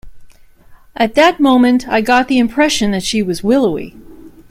At that moment I got the impression that she was willowy.